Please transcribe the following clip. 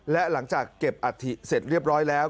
และหลังจากเก็บอัฐิเสร็จเรียบร้อยแล้ว